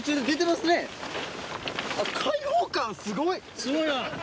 すごいわ。